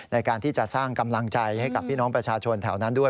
ในการที่จะสร้างกำลังใจให้กับพี่น้องประชาชนแถวนั้นด้วย